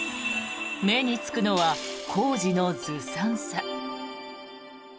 目につくのは工事のずさんさ。